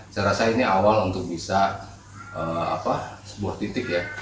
saya rasa ini awal untuk bisa sebuah titik ya